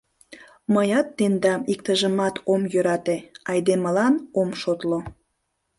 Мыят тендам иктыжымат ом йӧрате, айдемылан ом шотло...